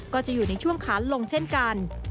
ก็จะอยู่ในช่วงขานลงเช่นกัน